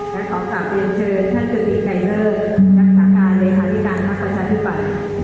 และขอปรับเปลี่ยนเชิญท่านกฤติไก่เผอร์ทางตาการในฮาวิทยาลัยภาคประชาธิปัตย์